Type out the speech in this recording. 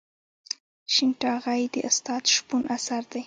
شین ټاغی د استاد شپون اثر دی.